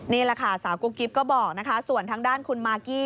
นี่แหละค่ะสาวกุ๊กกิ๊บก็บอกนะคะส่วนทางด้านคุณมากกี้